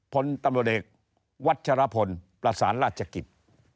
ผลตำแหน่งวัชรพลประสานราชกิจ